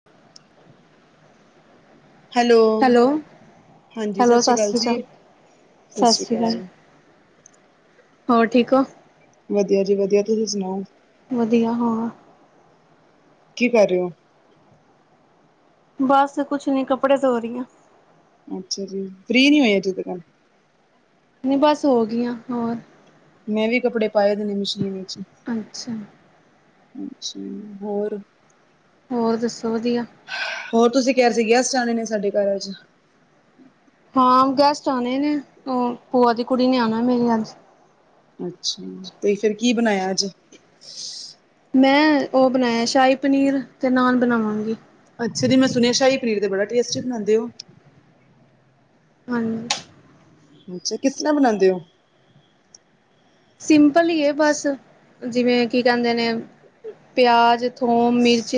[unintelligible] Hello ਹਾਂਜੀ, ਸਤਿ ਸ਼੍ਰੀ ਅਕਾਲ ਜੀ ਸਤਿ ਸ੍ਰੀ ਅਕਾਲ ਹੋ ਠੀਕ ਔ ਵਧੀਆ ਜੀ ਵਧੀਆ, ਤੁਸੀਂ ਸੁਣਾਓ ਵਧੀਆ ਹਾਂ ਕੀ ਕਰ ਰਹੇ ਹੋ ਬਸ ਕੁਛ ਨੀ, ਕੱਪੜੇ ਧੋ ਰਹੀ ਆਂ ਅੱਛਾ ਜੀ, ਫ੍ਰੀ ਨਹੀ ਹੋਏ ਹਜੇ ਟਿਕਨ। ਨਹੀਂ ਬਸ ਹੋ ਗਈ ਆਂ, ਹੋਰ ਮੈਂ ਵੀ ਕੱਪੜੇ ਪਾਏ ਨੇ, ਮਸ਼ੀਨ ਵਿੱਚ। ਅੱਛਾ ਅੱਛਾ ਹੋਰ ਹੋਰ ਦੱਸੋ ਵਧੀਆ ਹੋਰ ਤੁਸੀਂ ਕਹਿ ਰਹੇ ਸੀ, ਗੈਸਟ ਆਣੇ ਨੇ ਸਾਡੇ ਘਰ ਅਜ। ਹਾਂ ਗੈਸਟ ਆਉਣੇ ਨੇ, ਉਹ ਭੂਆ ਦੀ ਕੁੜੀ ਨੇ ਆਉਣਾ ਮੇਰੀ ਅਜ। ਅੱਛਾ ਤੇ ਫਿਰ, ਕੀ ਬਣਾਇਆ ਅੱਜ। ਮੈਂ ਉਹ ਬਣਾਇਆ ਸ਼ਾਹੀ ਪਨੀਰ, ਤੇ ਨਾਨ ਬਣਾਵਾਂਗੀ। ਅੱਛਾ ਜੀ, ਮੈਂ ਸੁਣਿਆ ਸ਼ਾਹੀ ਪਨੀਰ ਤੇ ਬੜਾ ਟੇਸਟੀ ਬਣਾਉਂਦੇ ਹੋ। ਹਾਂਜੀ ਅੱਛਾ, ਕਿਸ ਤਰ੍ਹਾਂ ਬਣਾਉਂਦੇ ਹੋ ਸਿੰਪਲ ਹੀ ਬਸ, ਜਿਵੇਂ ਕੀ ਕਹਿੰਦੇ ਨੇ ਪਿਆਜ ਥੋਮ ਮਿਰਚ,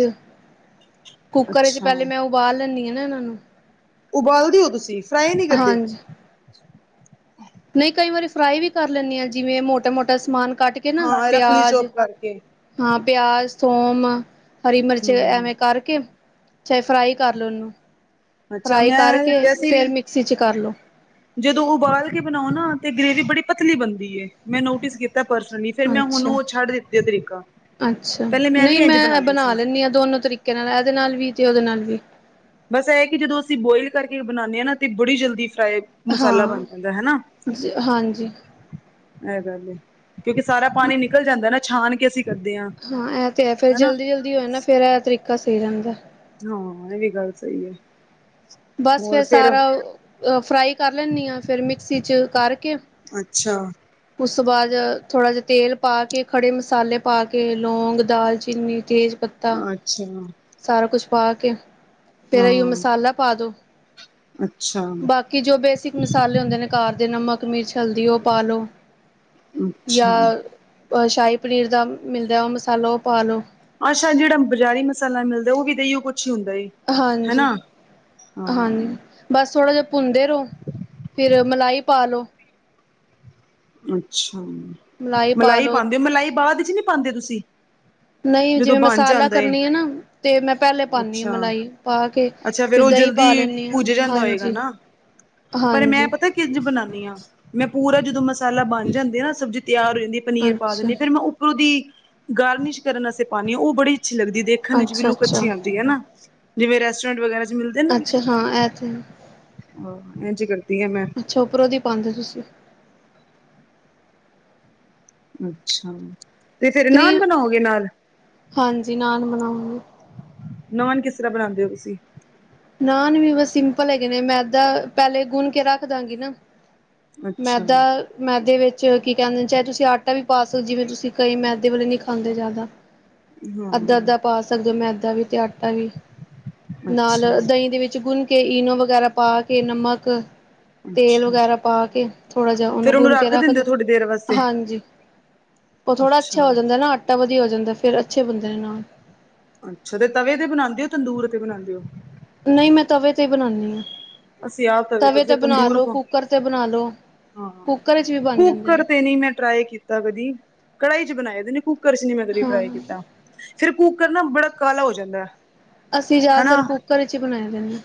ਕੁੱਕਰ ਵਿੱਚ ਅੱਛਾ ਪਹਿਲੇ ਮੈਂ ਉਬਾਲ ਲੈਂਦੀ ਹਾਂ ਨਾ, ਇਹਨਾਂ ਨੂੰ। ਉਬਾਲਦੇ ਹੋ ਤੁਸੀਂ, ਫਰਾਈ ਨਹੀਂ ਕਰਦੇ ਹਾਂਜੀ ਨਹੀਂ ਕਈ ਵਾਰੀ ਫਰਾਈ ਵੀ ਕਰ ਲੈਂਦੇ ਆਂ, ਜਿਵੇਂ ਮੋਟਾ ਮੋਟਾ ਸਮਾਨ ਕੱਟ ਕੇ ਨਾ, ਹਾਂ ਰਫਲੀ ਪਿਆਜ ਚੋਪ ਕਰਕੇ ਹਾਂ ਪਿਆਜ, ਥੋਮ, ਹਰੀ ਮਿਰਚ ਹਮ ਐਵੇਂ ਕਰਕੇ ਚਾਹੇ ਫਰਾਈ ਕਰ ਲਓ ਉਹਨੂੰ ਅੱਛਾ ਫਰਾਈ ਮੈਂ ਕਰਕੇ ਵੈਸੇ ਵੀ ਫੇਰ ਮਿਕਸੀ ਚ ਕਰ ਲੋ ਜਦੋਂ ਉਬਾਲ ਕੇ ਬਣਾਓ ਨਾ, ਤੇ ਗ੍ਰੇਵੀ ਬੜੀ ਪਤਲੀ ਬਣਦੀ ਮੈਂ ਨੋਟਿਸ ਕੀਤਾ ਪਰਸਲੀ ਅੱਛਾ ਅੱਛਾ, ਪਹਿਲੇ ਵੀ ਨਹੀਂ ਇੰਝ ਮੈਂ ਬਣਾਉਂਦੀ ਬਣਾ ਸੀ ਲੈਂਦੀ ਹਾਂ ਦੋਨੋ ਤਰੀਕੇ ਨਾਲ, ਇਹਦੇ ਨਾਲ ਵੀ, ਤੇ ਉਹਦੇ ਨਾਲ ਵੀ ਬਸ ਇਹ ਕਿ ਜਦੋਂ ਅਸੀਂ ਬੋਇਲ ਕਰਕੇ ਬਣਾਉਂਦੇ ਹਾਂ ਨਾ, ਤੇ ਬੜੀ ਜਲਦੀ ਫਰਾਈ ਮਸਾਲਾ ਹਾਂ ਬਣ ਜਾਂਦਾ ਹੈਨਾ ਜ ਹਾਂਜੀ ਇਹ ਗੱਲ ਹੈ, ਕਿਉਂਕਿ ਸਾਰਾ ਪਾਣੀ ਨਿਕਲ ਜਾਂਦਾ ਨਾ, ਛਾਨ ਕੇ ਅਸੀਂ ਕਰਦੇ ਹਾਂ। ਹਾਂ ਇਹ ਤੇ ਹੈ, ਫੇਰ ਹਨਾ ਜਲਦੀ ਜਲਦੀ ਹੋਏ ਨਾ, ਫੇਰ ਇਹ ਤਰੀਕਾ ਸਹੀ ਰਹਿੰਦਾ ਹਾਂ, ਇਹ ਵੀ ਗੱਲ ਸਹੀ ਹੈ। ਬਸ ਹੋਰ ਫੇਰ ਫਿਰ ਸਾਰਾ ਫਰਾਈ ਕਰ ਲੈਨੀ ਆਂ, ਫੇਰ ਮਿਕਸੀ ਚ' ਕਰਕੇ ਅੱਛਾ ਉਸ ਤੋਂ ਬਾਅਦ ਥੋੜ੍ਹਾ ਜਿਹਾ ਤੇਲ ਪਾ ਕੇ, ਖੜੇ ਮਸਾਲੇ ਪਾ ਕੇ ਲੌਂਗ, ਦਾਲਚੀਨੀ, ਤੇਜ ਪੱ ਅੱਛਾ ਸਾਰਾ ਕੁਛ ਪਾ ਕੇ, ਫੇਰ ਏ ਹੀ ਔ ਹਾਂ ਮਸਾਲਾ ਪਾ ਦੋ ਅੱਛਾ ਕਿ ਜੋ ਬੇਸਿਕ ਮਸਾਲੇ ਹੁੰਦੇ ਨੇ ਕਾਰ ਦੇ ਨਮਕ, ਮਿਰਚ, ਹਲਦੀ ਉਹ ਪਾਲੋ ਯਾ ਅੱਛਾ ਸ਼ਾਹੀ ਪਨੀਰ ਦਾ ਮਿਲਦਾ ਉਹ ਮਸਾਲਾ ਉਹ ਪਾ ਲੋ ਅੱਛਾ ਜਿਹੜਾ ਬਜ਼ਾਰੀ ਮਸਾਲਾ ਮਿਲਦਾ, ਉਹ ਵੀ ਦੇਈਓ ਕੁੱਛ ਹੀ ਹੁੰਦਾ ਹਨਾ ਹਾਂਜੀ-ਹਾਂਜੀ ਹਾਂ ਬਸ ਥੋੜ੍ਹਾ ਜਿਹਾ ਭੁੰਨਦੇ ਰਹੋ ਫਿਰ ਮਲਾਈ ਪਾ ਲਉ ਅੱਛਾ ਪਾ ਮਲਾਈ ਲੋ ਪਾਉਂਦੇ ਹੋ ਮਲਾਈ ਬਾਅਦ ਚ' ਨਹੀ ਪਾਉਂਦੇ ਤੁਸੀਂ ਨਹੀਂ ਜਦੋਂ ਜਿਵੇਂ ਬਣ ਮਸਾਲਾ ਜਾਂਦਾ ਏ ਕਰਨੀ ਆ ਨਾ ਤੇ ਮੈਂ ਪਹਿਲੇ ਪਾਦੀ ਹ ਅੱਛਾ ਮਲਾਈ ਪਾ ਕੇ ਅੱਛਾ ਫੇਰ ਫਿਰ ਉਹ ਦਹੀ ਪਾ ਜਲਦੀ ਲੈਨੀਆ ਭੁੱਜ ਹਾਂ ਜਾਂਦਾ ਹੋਏਗਾ ਹਾਂਜੀ-ਹਾਂਜੀ ਜ਼ ਬਣਾਉਾਨਦੀ ਹਾਂ ਮੈਂ ਪੂਰਾ ਜਦੋਂ ਮਸਾਲਾ ਬਣ ਜਾਂਦੀ ਆ ਨਾ ਸਬਜ਼ੀ ਤਿਆਰ ਹੋ ਜਾਂਦੀ ਪਨੀਰ ਪਾ ਅੱਛਾ। ਦਿੰਦੇ ਹ ਫਿਰ ਮੈਂ ਉੱਪਰੋਂ ਦੀ ਗਾਰਨਿਸ਼ ਕਰਨ ਵਸਂ ਪਾਉਣੀ ਹ ਉਹ ਬੜੀ ਅੱਛੀ ਲੱਗਦੀ ਦੇਖ ਹਾਂਜੀ'ਲੁੱਕ ਅੱਛਾ-ਅੱਛਾ, ਅੱਛੀ ਆਉਂਦੀ ਹੈ ਨਾ ਜਿਵੇਂ ਰੈਸਟੋਰੈਂਟ ਵਗੈਰਾ ਚ ਅੱਛਾ ਹਾਂ ਆਥੇ ਆਹੋ ਇੰਝ ਕਰਦੀ ਆ ਮੈਂ ਅੱਛਾ ਉੱਪਰੋਂ ਦੀ ਪਾਉਂਦੇ ਹੋ ਤੁਸੀਂ ਅੱਛਾ ਤੇ ਫੇਰ ਨਾਨ ਕਰੀਮ ਬਣਾਓਗੇ ਨਾਲ ਹਾਂਜੀ ਨਾਨ ਬਣਾਉਗੇ ਨਾਨ ਕਿਸ ਤਰ੍ਹਾਂ ਬਣਾਉਂਦੇ ਹੋ ਤੁਸੀਂ ਨਾਨ ਵੀ ਬਸ ਸਿੰਪਲ ਹੈਗੇ ਨੇ ਮੈਂ ਇਦਾਂ ਪਹਿਲੇ ਗੁੰਨ ਕੇ ਰੱਖ ਦਾਂਗੀ ਨਾ ਅੱਛਾ ਮੈਦਾ ਮੈਦੇ ਵਿੱਚ ਕੀ ਕਹਿੰਦੇ ਨੇ ਚਾਹੇ ਤੁਸੀਂ ਆਟਾ ਵੀ ਪਾ ਸਕੋ ਜਿਵੇਂ ਤੁਸੀਂ ਕਈ ਮੈਦੇ ਵਾਲੇ ਨਹੀਂ ਖਾਂਦੇ ਜ਼ਿਆਦਾ ਹਾਂ ਅੱਧਾਅੱਧਾ ਪਾ ਸਕਦੇ ਹੋ ਮੈਦਾ ਵੀ ਤੇ ਆਟਾ ਵੀ ਨਾਲ ਅੱਛਾ ਦਹੀਂ ਦੇ ਵਿੱਚ ਗੁੰਨ ਕੇ ਇਈਨੋ ਵਗੈਰਾ ਪਾ ਕੇ ਨਮਕ ਤੇਲ ਅੱਛਾ ਵਗੈਰਾ ਪਾ ਕੇ ਥੋੜਾ ਜਿਹਾ ਫੇਰ ਉਹਨੂੰ ਗੁੰਨ ਕੇ ਰੱਖ ਦਿੰਦੇ ਹੋ ਦੋ ਥੋੜੀ ਦੇਰ ਵਾਸਤੇ ਹਾਂਜੀ ਉਹ ਥੋੜਾ ਅੱਛਾ ਹੋ ਜਾਂਦਾ ਨਾ ਆਟਾ ਵਧੀਆ ਹੋ ਜਾਂਦਾ ਫੇਰ ਅੱਛੇ ਬੰਦੇ ਨੇ ਨਾਲ ਅੱਛਾ ਤੇ ਤਵੇ ਤੇ ਬਣਾਉਂਦੇ ਹੋ ਤੰਦੂਰ ਤੇ ਬਣਾਉਂਦੇ ਹੋ ਨਹੀਂ ਮੈਂ ਤਵੇ ਤੇ ਹੀ ਬਣਾਉਦੀ ਹਾਂ ਅਸੀਂ ਆਪ ਤਵੇ ਤੇ ਫਿਰ ਬਣਾ ਤੰਦੂਰ ਲੋ, ਕੋ ਕੁੂੱਕਰ ਤੇ ਬਣਾ ਲੋ ਹਾਂ ਕੁੱਕਰ ਵਿੱਚ ਵੀ ਬਣ ਜਾਂਦੇ ਨੇ ਕੁਕਰ ਤੇ ਨਹੀਂ ਮੈਂ ਟਰਾਈ ਕੀਤਾ ਤਾਂ ਕਦੀ ਕੜਾਈ ਚ' ਬਣਾਏ ਕੁੱਕਰ ਚ' ਨੀ ਮੈਂ ਕਦੀ ਹਾਂ ਟਰਾਈ ਕੀਤਾ ਫੇਰ ਕੂਕਰ ਨਾ ਬੜਾ ਕਾਲਾ ਹੋ ਜਾਂਦਾ ਅਸੀਂ ਜ਼ਿਆਦਾਤਰ ਹਨਾ ਕੁੱਕਰ ਚ' ਹੀ ਬਣਾਏ ਜਾਂਦੇ ਹਾਂ।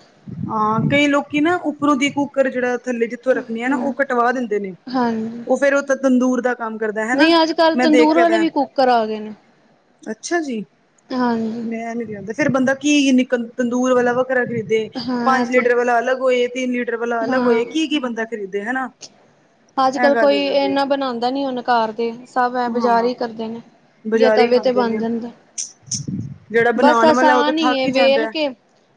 ਹਾਂ ਕਈ ਲੋਕੀ ਨਾ ਉੱਪਰੋਂ ਦੀ ਕੁੂੱਕਰ ਜਿਹੜਾ ਥੱਲੇ ਜਿੱਥੋਂ ਰੱਖਣੀ ਆ ਨਾ ਹਾਂ ਉਹ ਕਟਵਾ ਦਿੰਦੇ ਨੇ ਹਾਂਜੀ ਉਹ ਫੇਰ ਉੱਥੇ ਤੰਦੂਰ ਦਾ ਕੰਮ ਕਰਦਾ ਹਨਾ ਨਹੀਂ ਅੱਜ ਕੱਲ੍ਹ ਮੈਂ ਤੰਦੂਰ ਦੇਖਿਆ ਵਾਲੇ ਤਾਂ ਵੀ ਕੁੱਕਰ ਆ ਗਏ ਨੇ ਅੱਛਾ ਜੀ, ਹਾਂਜੀ ਮੈਂ ਨੀ ਕਹਦਾ ਫਿਰ ਬੰਦਾ ਕੀੰਨੀ ਤੰਦੂਰ ਵਾਲਾ ਵ ਘਰਾ ਖਰੀਦ ਹਾਂ ਇਹ ਪੰਜ ਤੇ ਲੀਟਰ ਵਾਲਾ ਅਲੱਗ ਹੋਏ, ਤਿੰਨ ਲੀਟਰ ਵਾਲਾ ਅਲੱਗ ਹਾਂ ਹੋਏ, ਕੀ-ਕੀ ਬੰਦਾ ਖਰੀਦੇ ਹਨਾ ਅੱਜ ਕੱਲ ਇਹ ਗੱਲ ਹੋ ਕੋਈ ਜਾਂਦੀ ਹੈ ਇਨਾ ਬਣਾਉਂਦਾ ਨੀ ਉਹਣ ਘ ਦੇ ਸਭ ਐ ਹਾਂ ਬਜ਼ਾਰ ਹੀ ਕਰਦੇ ਨੇ ਜਾਂ ਬਜ਼ਾਰੀ ਤਵੇ ਤੇ ਖਾਂਦੇ ਬਣ ਨੇ ਜਾਂਦਾ ਜਿਹੜਾ ਬਸ ਬਣਾਉਣ ਵਾਲਾ ਉਹ ਤੇ ਆਸਾਨ ਥੱਕ ਹੀ ਜਾਂਦਾ ਵੇਲ ਹੈ। ਕੇ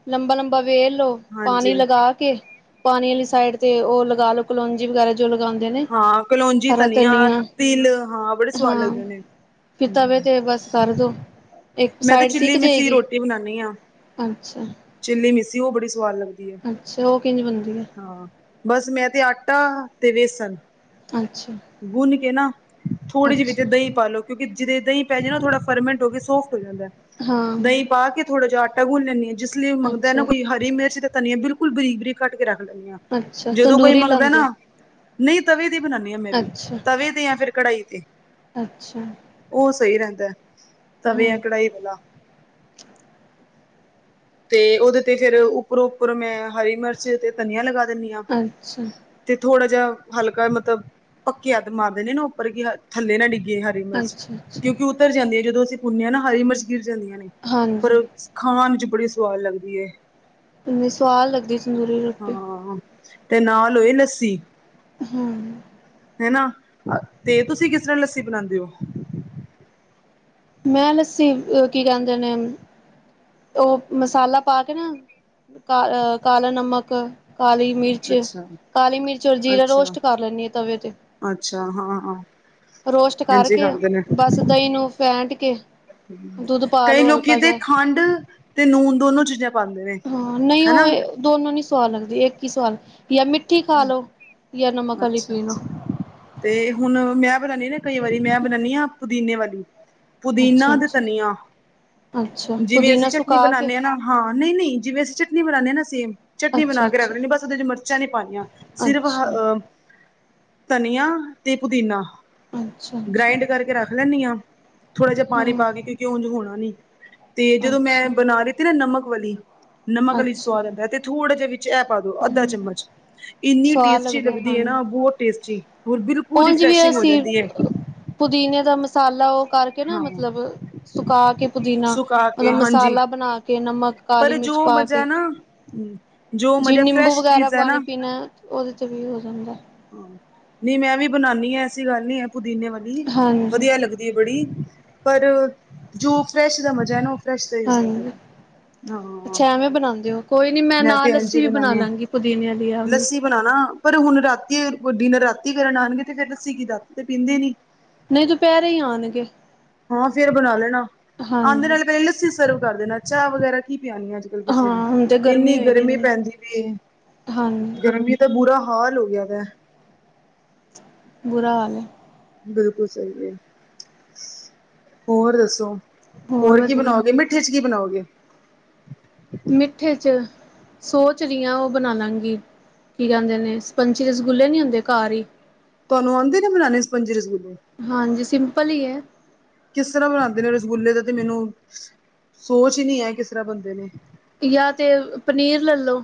ਲੰਬਾ-ਲੰਬਾ ਵੇਰ ਲੋ ਹਾਂਜੀ ਪਾਣੀ ਲਗਾ ਕੇ ਪਾਣੀ ਵਾਲੀ ਸਾਈਡ ਤੇ ਉਹ ਲਗਾ ਲੋ ਕਲੋਂਜੀ ਵਗੈਰਾ ਜੋ ਲਗਾਉਂਦੇ ਨੇ ਹਾਂ ਕਲੋਂਜੀ ਹਰਾ ਧਨੀਆ ਤਿਲ ਹਾਂ ਬੜੇ ਸਵਾਦ ਹਾਂ। ਲੱਗਦੇ ਨੇ ਫਿਰ ਤਵੇ ਤੇ ਬਸ ਕਰਦੋ ਇੱਕ ਮੈਂ ਤੇ ਸਾਈਡ ਸਿੱਕ ਚਿੱਲੀ ਮਿੱਸੀ ਜਾਏਗੀ ਰੋਟੀ ਬਣਾਉਦੀ ਹਾਂ ਅੱਛਾ। ਚਿੱਲੀ ਮਿੱਸੀ ਉਹ ਬੜੀ ਸਵਾਦ ਲੱਗਦੀ ਹੈ ਅੱਛਾ ਉਹ ਕਿੰਝ ਬਣਦੀ ਹੈ ਹਾਂ ਬਸ ਮੈਂ ਤੇ ਆਟਾ ਤੇ ਵੇਸਣ ਅੱਛਾ। ਗੁੰਨ ਕੇ ਨਾ ਥੋੜੀ ਜਿਹੀ ਪਿੱਛੇ ਅੱਛਾ ਦਹੀਂ ਪਾਲੋ। ਕਿਉਂਕਿ ਜਿਦੇ ਦਹੀਂ ਪੈ ਜਾਏ ਨਾ ਉਹ ਥੋੜਾ ਫਰਮੈਂਟ ਹੋ ਕੇ ਸੋਫਟ ਹੋ ਜਾਂਦਾ ਹਾਂ ਦਹੀਂ ਪਾ ਕੇ ਥੋੜ੍ਹਾ ਜਿਹਾ ਆਟ ਟਾ ਗੁੰਨ ਲੈਂਦੀ ਹਾਂ ਜਿਸ ਲਈ ਮੰਗਦਾ ਨਾ ਅੱਛਾ ਕੋਈ ਹਰੀ ਮਿਰਚ ਤੇ ਧਨੀਆ ਬਿਲਕੁਲ ਬਰੀਕ ਬਰੀਕ ਕੱਟ ਕੇ ਰੱਖ ਲੈਂਦੇ ਹਾਂ ਅੱਛਾ ਜਦੋਂ ਕੋਈ ਤੰਦੂਰੀ ਮੰਗਦਾ ਲਾਉਂਦੇ ਹੋ ਨਾ ਨਹੀਂ ਤਵੇ ਦੀ ਬਣਾਉਦੀ ਹਾਂ ਮੈਂ ਵੀ ਅੱਛਾ ਤਵੇ ਤੇ ਜਾਂ ਫਿਰ ਕੜਾਈ ਤੇ ਅੱਛਾ। ਉਹ ਸਹੀ ਰਹਿੰਦਾ ਤਵੇ ਹਾਂ ਆ ਕੜਾਹੀ ਵਾਲਾ ਤੇ ਉਹਦੇ ਤੇ ਫੇਰ ਉੱਪਰੋਂ ਉੱਪਰ ਮੈਂ ਹਰੀ ਮਿਰਚ ਤੇ ਧਨੀਆ ਲਗਾ ਦਿੰਦੀ ਹਾਂ ਅੱਛਾ ਤੇ ਥੋੜ੍ਹਾ ਜਿਹਾ ਹਲਕਾ ਮਤਬ ਪੱਕੇ ਹੱਥ ਮਾਰਦੇ ਨੇ ਨਾ ਉੱਪਰ ਕਿ ਥੱਲੇ ਨਾ ਡਿੱਗੇ ਹ ਹਰੀ ਮਿਰਚ ਅੱਛਾ [unintelligible] ਅੱਛਾ ਕਿਉਂਕਿ ਉੱਤਰ ਜਾਂਦੀ ਹੈ ਜਦੋਂ ਅਸੀਂ ਭੁੰਨੇ ਹਾਂ ਨਾ ਹਰੀ ਮਿਰਚ ਗਿਰ ਜਾਂਦੀਆਂ ਨੇ ਹਾਂਜੀ ਪਰ [unintelligible] ਖਾਣ ਚ ਬੜੀ ਸਵਾਦ ਲੱਗਦੀ ਐ ਇੰਨੀ ਸਆਦ ਲੱਗਦੀ ਸੰਦੂਰੀ ਰੋਟੀ ਹੂੰ ਹੂੰ ਤੇ ਨਾਲ ਹੋਏ ਲੱਸੀ ਹਮ ਹੈਨਾ ਤੇ ਤੁਸੀਂ ਕਿਸ ਤਰ੍ਹਾਂ ਲੱਸੀ ਬਣਾਂਦੇ ਓ ਮੈਂ ਲੱਸੀ ਕੀ ਕਹਿੰਦੇ ਨੇ ਉਹ ਮਸਾਲਾ ਪਾ ਕੇ ਨਾ ਕਾ ਕਾਲਾ ਨਮਕ ਕਾਲੀ ਮਿਰਚ ਅੱਛਾ ਕਾਲੀ ਮਿਰਚ ਔਰ ਜੀਰਾ ਅੱਛਾ ਰੋਸਟ ਕਰ ਲੈਂਣੀ ਆ ਤਵੇ ਤੇ ਅੱਛਾ ਹਾਂ ਹਾਂ ਰੋਸਟ ਹਾਂਜੀ ਕਰਕੇ ਖਾਂਦੇ ਨੇ ਬਸ ਦਹੀਂ ਨੂੰ ਫੈਂਟ ਕੇ ਦੁੱਧ ਪਾ ਕਈ ਲੋ ਲੋਕੀ ਹਲਕਾ ਤੇ ਜਾ ਖੰਡ ਤੇ ਨੂਨ ਦੋਨੋ ਚੀਜ਼ਾਂ ਪਾਂਦੇ ਨੇ ਹਾਂ ਨਹੀਂ ਉਹ ਹਨਾ ਏ ਦੋਨੋ ਨੀ ਸਆਦ ਲਗਦੀ ਇੱਕ ਹੀ ਸਦ ਜਾਂ ਮਿੱ ਠੀ ਖਾ ਲੋ ਜਾਂ ਨਮਕ ਆਲੀ ਅੱਛਾ ਪੀ ਲੋ ਤੇ ਹੁਣ ਮੈਂ ਬਣਾਨੀ ਨਾ ਕਈ ਵਾਰੀ ਮੈਂ ਬਣਾਨੀ ਆਂ ਪੁਦੀਨੇ ਵਾਲੀ ਪੁਦੀਨਾ ਤੇ ਅੱਛਾ-ਅੱਛਾ, ਧਨੀਆ ਅੱਛਾ ਅੱਛਾ, ਜਿਵੇਂ ਅਸੀਂ ਪੁਦੀਨਾ ਚਟਨੀ ਸੁਕਾ ਕੇ ਬਣਾਨੇ ਹਾਂ ਨਾ ਹਾਂ ਨਹੀਂ ਨਹੀਂ ਜਿਵੇਂ ਅਸੀਂ ਚਟਨੀ ਬਣਾਨੇ ਹਾਂ ਨਾ ਸੇਮ ਚਟਨੀ ਬਣਾ ਕੇ ਰੱਖ ਅੱਛਾ-ਅੱਛਾ, ਲੈਨੀ [unintelligible] ਬਸ ਉਹਦੇ ਚ ਮਿਰਚਾਂ ਨੀ ਸਿਰਫ ਹ ਅੱਛਾ, ਅਹ ਧਨੀਆ ਤੇ ਪੁਦੀਨਾ ਅੱਛਾ-ਅੱਛਾ, ਗ੍ਰਾਇੰਡ ਕਰਕੇ ਰੱਖ ਲੈਨੀ ਆਂ ਥੋੜ੍ਹਾ ਜਿਹਾ ਪਾਣੀ ਹੂੰ, ਅੱਛਾ। ਪਾ ਕੇ ਕਿਉਂਕਿ ਉਂਝ ਹੋਣਾ ਨੀ ਤੇ ਹਾਂ ਜਦੋਂ ਮੈਂ ਅੱਛਾ। ਬਣਾ ਰਹੀ ਤ [unintelligible] ਨਾ ਨਮਕ ਵਾਲੀ ਨਮਕ ਵਾਲੀ ਅੱਛਾ ਸਵਾਦ ਆਉਦਾ ਤੇ ਥੋੜ੍ਹਾ ਜਿਹਾ ਵੀ ਚ ਐਹ ਪਾ ਦੋ ਅੱਧਾ ਚਮਚ ਇੰਨੀ ਸਵਾਦ ਟੇਸਟੀ ਲੱਗਦਾ ਲੱਗਦੀ ਹੈ ਹਾਂਜੀ ਨਾ ਬਹੁਤ ਟੇਸਟੀ ਹੋਰ ਬਿਲਕੁ ਉਝ ਵੀ ਰਿਫਰੈਸ਼ਿੰਗ ਹੋ ਅਸੀਂ ਜਾਂਦੀ ਹੈ ਪੁਦੀਨੇ ਦਾ ਮਸਾਲਾ ਉਹ ਕਰ ਕੇ ਨਾ ਹਾਂ ਮਤਲਬ ਸੁਕਾ ਕੇ ਪੁਦੀਨਾ ਸੁਕਾ ਉਹਦਾ ਕੇ ਹਾਂਜੀ ਮਸਾਲਾ ਬਣਾ ਕੇ ਨਮਕ ਕਾਲੀ ਪਰ ਮਿਰਚ ਜੋ ਪਾ ਕੇ ਮਜ਼ਾ ਨਾ ਜੋ ਜੀ ਮਜ਼ਾ ਨਿੰਬੂ ਫਰੈਸ਼ ਵਗੈਰਾ ਚੀਜ਼ ਹੈ ਨਾ ਪਾਣੀ ਪੀਣਾ ਐ ਉਹਦੇ 'ਚ ਵੀ ਯੂਜ਼ ਹੁੰਦਾ। ਨੀ ਮੈਂ ਵੀ ਬਣਾਨੀ ਆਂ ਐਸੀ ਗੱਲ ਨੀ ਹੈ ਪੁਦੀਨੇ ਵਾਲੀ ਹਾਂਜੀ ਵਧੀਆ ਲੱਗ ਦੀ ਬੜੀ ਪਰ ਜੋ ਫਰੈਸ਼ ਦਾ ਮਜ਼ਾ ਹੈ ਨਾ ਉਹ ਫਰੈਸ਼ ਦਾ ਹੀ ਹੁੰਦਾ ਫਿਰ ਹਾਂਜੀ ਹਾਂ ਅੱਛਾ ਐਵੇਂ ਬਣਾਂਦੇ ਹੋ ਕੋਈ ਨੀ ਮੈਂ ਨਾ ਲੱਸੀ ਵੀ ਬਣਾ ਲਾਂਗੀ ਪੁਦੀਨੇ ਵਾਲੀ ਆਓ ਬਣਾਣਾ ਪਰ ਹੁਣ ਰਾਤੀ ਡਿਨਰ ਰਾਤੀ ਕਰਨ ਆਣਗੇ ਤੇ ਫਿਰ ਲੱਸੀ ਕੀ ਰਾਤੀ ਤੇ ਪੀਂਦੇ ਨੀ ਨਹੀਂ ਦਪਹਿਰੇ ਹੀ ਆਣਗੇ। ਹਾਂ ਫੇਰ ਬਣਾ ਲੈਣਾ ਆਂਦੇ ਹਾਂਜੀ ਨਾਲ ਪਹਿਲੇ ਲੱਸੀ ਸਰਵ ਕਰ ਦੇਣਾ ਚਾਹ ਵਗੈਰਾ ਕੀ ਪਿਆਉਣੀ ਆ ਅੱਜ ਕਿਸੇ ਨੂੰ ਹਾਂ ਹੁਣ ਤੇ [unintelligible] ਇੰਨੀ ਹੋਈ ਦੀ ਗਰਮੀ ਇੰਨੀ ਪੈਂਦੀ ਪਈ ਏ ਹਾਂਜੀ ਗਰਮੀ ਤੇ ਬੁਰਾ ਹਾਲ ਹੋ ਗਿਆ ਵੈ ਬੁਰਾ ਹਾਲ ਐ ਬਿਲਕੁਲ ਸਹੀ ਵੇ ਹੋਰ ਦੱਸੋ ਹੋਰ ਕੀ ਬਣਾਓਗੇ ਮਿੱ ਠੇ ਚ ਕੀ ਬਣਾਓਗੇ ਮਿੱਠੇ ਚਚ ਸੋਚ ਰਹੀਆਂ ਉਹ ਬਣਾ ਲਾਂਗੀ ਕੀ ਕਹਿੰਦੇ ਨੇ ਸਪੰਚੀ ਦੇ ਰਸਗੁੱਲੇ ਨੀ ਹੁੰਦੇ ਘਰ ਈ ਤੁਹਾਨੂੰ ਆਉਂਦੇ ਨੇ ਬਨਾਣੇ ਸਪੰਜੀ ਰਸਗੁਲੇ ਹਾਂਜੀ ਸਿੰਪਲ ਹੀ ਐ ਕਿਸ ਤਰ੍ਹਾਂ ਬਣਾਂਦੇ ਨੇ ਰਸਗੁੱਲੇ ਦਾ ਤੇ ਮੈਨੂੰ ਸੋਚ ਹੀ ਨਹੀਂ ਹੈ ਕਿਸ ਤਰ੍ਹਾਂ ਬੰਦੇ ਨੇ ਯਾਂ ਤੇ ਪਨੀਰ ਲਲੋ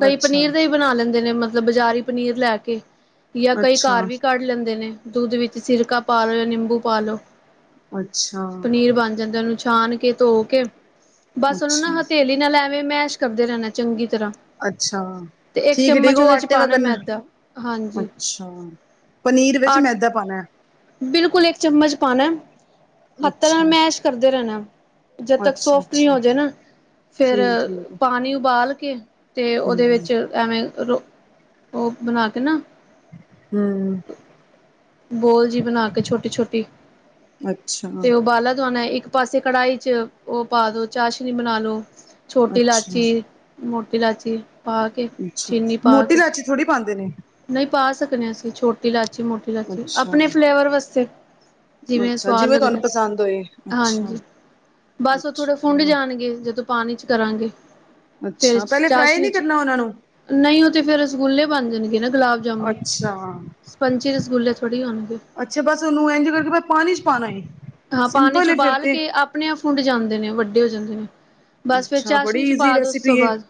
ਕਈ ਅੱਛਾ ਪਨੀਰ ਦੇ ਬਣਾ ਲੈਂਦੇ ਨੇ ਮਤਲਬ ਬਜ਼ਾਰੀ ਪਨੀਰ ਲੈ ਕੇ ਜਾਂ ਕਈ ਘਰ ਅੱਛਾ ਵੀ ਕੱਢ ਲੈਂਦੇ ਨੇ ਦੁੱਧ ਵਿੱਚ ਸਿਰਕਾ ਪਾ ਲ ਜਾਂ ਨਿੰਬੂ ਪਾ ਲੋ ਅੱਛਾ ਪਨੀਰ ਬਣ ਜਾਂਦੇ [unintelligible] ਉਹਨੂੰ ਛਾਨ ਕੇ ਧੋ ਕੇ ਬਸ ਉਹਨੂੰ ਨਾ ਅੱਛਾ ਹ ਥੇਲੀ ਨਾਲ ਲੈਵੇਂ ਮੈਸ਼ ਕਰਦੇ ਰਹਿਣਾ ਚੰਗੀ ਤਰ੍ਹਾਂ ਅੱਛਾ ਤੇ ਇੱਕ ਠੀਕ ਠੀਕ ਚਮਚ ਉਹ ਉਹਦੇ 'ਚ ਆਟੇ ਵ ਪਾਣਾ ਕਰਨ ਮੈਦਾ ਹਾਂਜੀ ਅੱਛਾ ਪਨੀਰ ਵਿੱਚ ਆ ਮੈਦਾ ਪਾਉਣਾ ਬਿਲਕੁਲ ਇੱਕ ਚਮਚ ਪਾਉਣਾ ਹੱਥ ਨਾਲ ਅੱਛਾ ਮੈਸ਼ ਕਰਦੇ ਰਹਿਣਾ ਜਦ ਤੱਕ ਅੱਛਾ ਸੋਫਟ ਨਹੀਂ ਅੱਛਾ ਹੋ ਜਾੇ ਨਾ ਫੇਿਰ ਠੀਕ ਠੀਕ ਪਾਣੀ ਉਬਾਲ ਕੇ ਤੇ ਉਹਦੇ ਹਮ ਵਿੱਚ ਐਵੇਂ ਰੋ ਉਹ ਬਣਾ ਕੇ ਨਾ ਹਮ ਬੋਲ ਜੀ ਬਣਾ ਕੇ ਛੋਟੀ ਛੋਟੀ ਅੱਛਾ ਤੇ ਉਬਾਲਾ ਦਆਾਨਣਾ ਇੱਕ ਪਾਸੇ ਕੜਾਹੀ ਚ ਉਹ ਪਾ ਦੋ ਚਾਹ ਸ਼ਨੀ ਬਣਾ ਲੋ ਛੋਟੀ ਅੱਛਾ ਇਲਾਚੀ ਮੋਟੀ ਇਲਾਚੀ ਪਾ ਕੇ ਅੱਛਾ। ਚੀਨੀ ਪਾ ਮੋਟੀ ਕੇ ਲਾਚੀ ਥੋੜ੍ਹੀ ਪਾਂਦੇ ਨੇ। ਨਹੀਂ ਪਾ ਸਕਦੇ ਅਸੀਂ ਛੋਟੀ ਇਲਾਚੀ ਮੋਟੀ ਇਲਾਚੀ ਅੱਛਾ। ਆਪਣੇ ਫਲੇਵਰ ਵਾਸਤੇ ਜਿਵੇਂ ਅੱਛਾ ਸਵਾਦ ਤੁਹਾਨੂੰ ਲੱਗਦਾ ਪਸੰਦ ਹੋਏ। ਅੱਛਾ, ਹਾਂਜੀ ਬਸ ਉਹ ਥੋੜੇ ਫੁੰਡ ਅੱਛਾ। ਜਾਣਗੇ ਜਦੋਂ ਪਾਣੀ ਚ ਕਰਾਂਗੇ ਫੇਿਰ ਅੱਛਾ ਪਹਿਲੇ ਫਰਾਈ ਚਾਸ਼ਨੀ ਨੀ ਚ ਕਰਨਾ ਉਹਨਾਂ ਨੂੰ? ਨਹੀਂ ਉਹ ਤੇ ਫੇਿਰ ਰਸਗੁੱਲੇ ਬਣ ਜਾਣਗੇ ਨਾ ਗੁਲਾਬ ਜਾਮੁਨ ਅੱਛਾ। ਸਪੰਚੀ ਰਸਗੁੱਲੇ ਪੜ੍ਹੀ ਹੋਣਗੇ ਅੱਛਾ ਬਸ ਉਹਨੂੰ ਇੰਝ ਕਰਕੇ ਪਾਣੀ ਚ ਪਾਉਣਾ ਏ ਹਾਂ ਪਾਣੀ ਚ ਸਿੰਪਲ ਏ ਫਿਰ ਉਬਾਲ ਤੇ ਕੇ ਆਪਣੇ ਆਪ ਫੁੰਡ ਜਾਂਦੇ ਨੇ ਵੱਡੇ ਹੋ ਜਾਂਦੇ ਨੇ ਬਸ ਫਿਰ ਅੱਛਾ ਬੜੀ ਚਾਸ਼ਨੀ ਚ ਈਜ਼ੀ ਪਾ ਦ ਉਸ ਤੋਂ ਰੈਸਿਪੀ ਏ। ਬਾਅਦ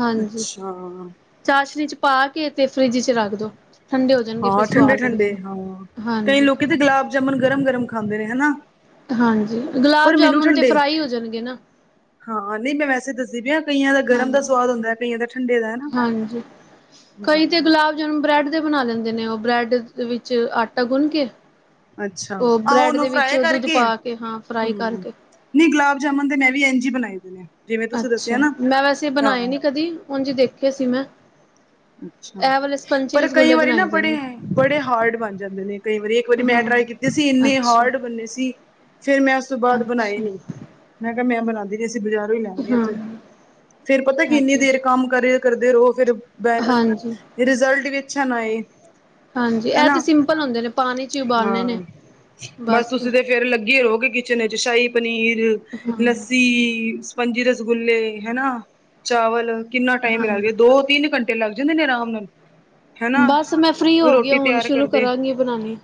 ਹਾਂਜੀ ਅੱਛਾ। ਚਾਸ਼ਨੀ ਚ ਪਾ ਕੇ ਤੇ ਫਰਿੱਜ ਚ ਰੱਖ ਦੋ ਠੰਡੇ ਹੋ ਜਾਣਗੇ ਫਿਰ ਹਾਂ ਠੰਡੇ ਸਵਾਦ ਠੰਡੇ ਲੱਗਦੇ ਨੇ। ਹਾਂ ਕਈ ਹਾਂਜੀ ਲੋਕ ਤੇ ਗੁਲਾਬ ਜਾਮਣ ਗਰਮ ਗਰਮ ਖਾਂਦੇ ਨੇ ਹਨਾ ਹਾਂਜੀ ਗੁਲਾਬ ਪਰ ਮੈਨੂੰ ਜਾਮੁਨ ਤੇ ਠੰਡੇ ਫਰਾਈ ਹੋ ਜਾਣਗੇ ਨਾ ਹਾਂ ਨਹੀਂ ਮੈਂ ਵੈਸੇ ਦੱਸਦੀ ਪਈ ਹੈ ਕਈਆਂ ਦਾ ਗਰਮ ਹਾਂਜੀ। ਦਾ ਸਵਾਦ ਹੁੰਦਾ ਕਈਆਂ ਦਾ ਠੰਡੇ ਦਾ ਹਨਾ। ਹਾਂਜੀ ਕਈ ਤੇ ਹਾਂ। ਗੁਲਾਬ ਜਨ ਬ੍ਰੈਡ ਦੇ ਬਣਾ ਲੈਂਦੇ ਨੇ ਉਹ ਬ੍ਰੈਡ ਵਿੱਚ ਆਟਾ ਗੁੰਨ ਕੇ ਅੱਛਾ ਉਹ ਆਹੋ ਬ੍ਰੈਡ ਉਹਨੂੰ ਦੇ ਵਿੱਚ ਫਰਾਈ ਦੁੱਧ ਕਰਕੇ ਪਾ ਕੇ ਹਾਂ ਫਰਾਈ ਹੂੰ ਕਰਕੇ ਨਹੀਂ ਗੁਲਾਬ ਜਾਮੁਨ ਤੇ ਮੈਂ ਵੀ ਇੰਝ ਹੀ ਬਣਾਏ ਦੇ ਨੇ ਜਿਵੇਂ ਤੁਸੀਂ ਦੱਸਿਆ ਅੱਛਾ ਨਾ ਮੈਂ ਵੈਸੇ ਹਾਂ ਬਣਾਏ ਨੀ ਕਦੀ ਹੁਣ ਜੇ ਦੇਖਿਆ ਸੀ ਮੈਂ ਅੱਛਾ ਇਹ ਵਾਲੇ ਸਪੰਚੀ ਪਰ ਕਈ ਰਸਗੁੱਲੇ ਵਾਰੀ ਬਣਾਏ ਨਾ ਦੇ ਬੜੇ ਨੇ ਬੜੇ ਹਾਰਡ ਬਣ ਜਾਂਦੇ ਨੇ ਕਈ ਵਾਰੀ ਇੱਕ ਵਾਰੀ ਮੈਂ ਹਾਂ ਟਰਾਈ ਕੀਤਾ ਤੇਸੀਂ ਇੰਨੇ ਅੱਛਾ ਹਾਰਡ ਬੰਨੇ ਸੀ ਫੇਿਰ ਮੈਂ ਉਸ ਤੋਂ ਬਾਅਦ ਬਣਾਏ ਅੱਛਾ ਨੀ ਮੈਂ ਕਿਹਾ ਮੈਂ ਬਣਾਉਦਾ ਅਸੀਂ ਬਾਜ਼ਾਰੋਂ ਹੀ ਲੈਂਦੇ ਹਾਂ ਫਿਰ ਫੇਰ ਪਤਾ ਇਹ ਇੰਨੀ ਤੇ ਦੇਰ ਕੰਮ ਕਰੇ ਕਰਦੇ ਰਹੋ ਫਿਰ ਹਾਂਜੀ ਰਿਜ਼ਲਟ ਵੀ ਅੱਛਾ ਨਾਏ ਹਾਂਜੀ ਇਹ ਤੇ ਸਿੰਪਲ ਹੁੰਦੇ ਨੇ ਪਾਣੀ ਚ ਹੀ ਉਬਾਲਣੇ ਨੇ ਹਾਂ ਬਸ ਤੁਸੀਂ ਤੇ ਫੇਰ ਲੱਗੇ ਰਹੋਗੇ ਕਿਚਨ ਵਿੱਚ ਸ਼ਾਹੀ ਪਨੀਰ ਲ ਸਪੰਜੀ ਰਸਗੁਲੇੇ ਹਨਨਾ ਚਾਵਲ ਕਿੰਨਾ ਟਾਈਮ ਮਿਲ ਹਾਂਜੀ ਗ ਦੋ ਤਿੰਨ ਘੰਟੇ ਤੇ ਲੱਗ ਜਾਂਦੇ ਨੇ ਆਰਾਮ ਨੂੰ ਬਸ ਮੈਂ ਫ੍ਰਰੀ ਹੋ ਗਈ ਹੁਣ ਤਿਆਰ ਸ਼ੁਰੂ ਕਰਦੇ ਕਰਾਂਗੀ ਬਣਾਣੀ।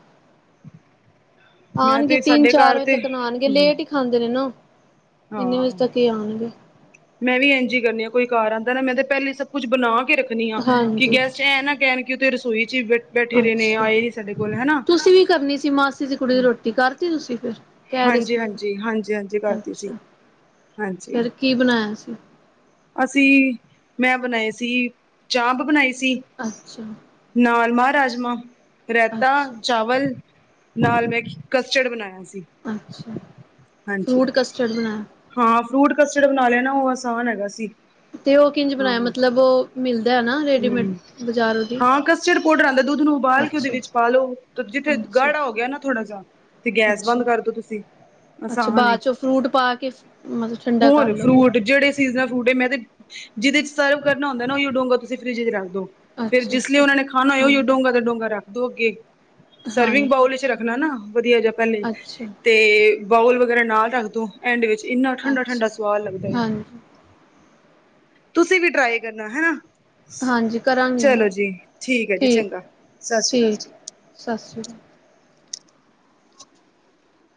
ਮੈਂ ਆਣਗੇ ਤੇ ਸਾਡੇ ਤਿੰਨ-ਚਾਰ ਘਰ ਵਜੇ ਤੇ ਤੱਕ ਨਾ ਆਣਗੇ ਹੂੰ ਲੇਟ ਈ ਖਾਂਦੇ ਨੇ ਨਾ। ਇੰਨੇ ਵਜੇ ਹਾਂ। ਤੱਕ ਹੀ ਆਉਣਗੇ ਮੈਂ ਵੀ ਐਂਜ ਈ ਕਰਨੀ ਆ ਕੋਈ ਕਾਰ ਆਂਦਾ ਨਾ ਮੈਂ ਤਾਂ ਪਹਿਲੀ ਸਭ ਕੁੱਛ ਬਣਾ ਕੇ ਰੱਖ ਖਨੀ ਆ ਕੀ ਹਾਂਜੀ ਗੈਸਟ ਐ ਨਾ ਕੈਣ ਕੇ ਓ ਤੇ ਰਸੋਈ ਚ ਬ ਅੱਛਾ ਤੁਸੀਂ ਵੀ ਕਰਨੀ ਸੀ ਮਾਸੀ ਦੀ ਕੁੜੀ ਦੀ ਰੋਟੀ ਕਰਤੀ ਤੁਸੀਂ ਫਿਰ? ਕਹਿ ਰਹੇ ਸੀ ਮੈਨੂੰ ਹਾਂਜੀ-ਹਾਂਜੀ-ਹਾਂਜੀ-ਹਾਂਜੀ ਕਰਤੀ ਸੀ ਅੱਛਾ ਹਾਂਜੀ। ਫਿਰ ਕੀ ਬਣਾਇਆ ਸੀ? ਅਸੀਂ ਮੈਂ ਬਣਾਏ ਸੀ ਚਾਂਪ ਬਣਾਈ ਸੀ ਅੱਛਾ। ਨਾਲ ਮਹਾਰਾਜ ਮਾ ਰੈਤਾ, ਅੱਛਾ ਚਾਵਲ ਨਾਲ ਮੈਂ ਕਸਟਡ ਬਣਾਇਆ ਸੀ। ਅੱਛਾ ਹਾਂਜੀ ਫਰੂਟ ਕਸਟਡ ਬਣਾਇਆ। ਹਾਂ, ਫਰੂਟ ਕਸਟਰਡ ਬਣਾ ਲਿਆ ਨਾ ਓ ਆਸਾਨ ਹੈਗਾ ਸੀ। ਤੇ ਓ ਕਿੰਝ ਹਾਂ ਬਣਾਇਆ ਮਤਲਬ ਓ ਮਿਲਦਾ ਐ ਨਾ ਰੇਡੀਮੇਡ ਬਾਜ਼ਾਰ ਦੀ? ਪੌਡਰ ਆਂਦਾ ਦੁੱਧ ਨੂੰ ਉਬਾਲ ਕੇ ਓਦੇ ਅੱਛਾ ਵਿੱਚ ਪਾ ਲੋ ਜਿੱਥੇ ਅੱਛਾ ਗਾੜਾ ਹੋ ਗਿਆ ਨਾ ਥੋੜ੍ਹਾ ਜਾ ਤੇ ਗੈਸ ਅੱਛਾ ਬੰਦ ਕਰਦੋ ਤੁਸੀਂ ਅੱਛਾ ਆਸਾਨ ਏ ਬਾਚੋਂ ਫਰੂਟ ਪਾ ਕੇ ਮਤਲਬ ਠੰਡਾ ਕਰਲੋ ਫਿਰ। [unintelligible] ਫੂਡ ਐ ਮੈਂ ਤੇ ਜਿਦੇ ਚ ਸਰਵ ਕਰਨਾ ਹੁੰਦਾ ਨਾ ਉਹੀਓ ਡੋਂਗਾ ਤੁਸੀਂ ਫਰਿਜ ਚ ਰੱਖ ਦੋ। ਫੇਰ ਅੱਛਾ ਜਿਸ ਲਈ ਅੱਛਾ ਓਨਾ ਨੇ ਖਾਣਾ ਹੋਏ ਹਾਂ ਓਹੀਓ ਡੋਂਗਾ ਦਾ ਡੋਂਗਾ ਰੱਖ ਦੋ ਅੱਗੇ। ਸਰਵਿੰਗ ਹਾਂਜੀ ਬਾਊਲ ਵਿੱਚ ਰੱਖਣਾ ਨਾ ਵਧੀਆ ਜਾ ਪਹਿਲੇ। ਅੱਛਾ ਤੇ ਬਾਊਲ ਵਗੈਰਾ ਨਾਲ ਰੱਖ ਦੋ ਐਂਡ ਵਿੱਚ ਇੰਨਾ ਠੰਡਾ-ਠੰਡਾ ਅੱਛਾ ਸਵਾਦ ਲੱਗਦਾ ਏ। ਹਾਂਜੀ ਤੁਸੀਂ ਵੀ ਟਰਾਈ ਕਰਨਾ ਹੈਨਾ। ਹਾਂਜੀ ਕਰਾਂਗੀ ਮੈਂ ਚਲੋ ਜੀ ਠੀਕ ਐ ਜੀ ਚੰਗਾ ਸਤਿ ਸ੍ਰੀ ਠੀਕ ਕਾਲ। ਸਤਿ ਸ਼੍ਰੀ ਕਾ